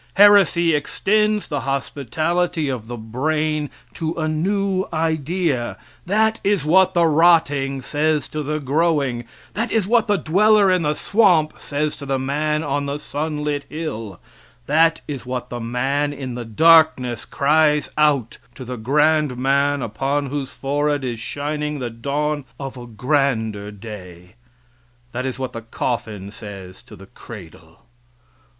Heresy extends the hospitality of the brain to a new idea; that is what the rotting says to the growing; that is what the dweller in the swamp says to the man on the sun lit hill; that is what the man in the darkness cries out to the grand man upon whose forehead is shining the dawn of a grander day; that is what the coffin says to the cradle.